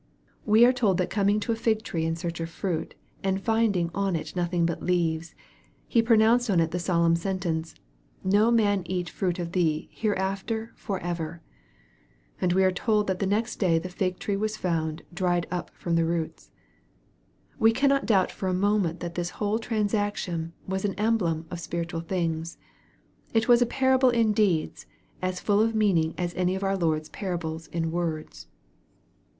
We are told that coming to a fig tree in search of fruit, and finding " on it nothing but leaves," He pronounced on it the solemn sentence, " No man eat fruit of thee hereafter for ever." And we are told that the next day the fig tree was found " dried up from the roots." We cannot doubt for a moment that this whole transaction was an emblem of spiritual things. It was a parable in deeds, as full of meaning as any of our Lord's parables in words.